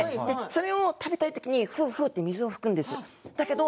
それを食べたいときにふーふーと水を噴くんです。